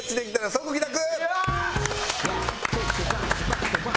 即帰宅。